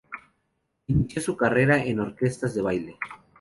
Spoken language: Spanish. Inició su carrera en orquestas de baile.